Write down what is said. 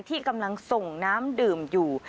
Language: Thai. ที่กำลังส่งน้ำดื่มอยู่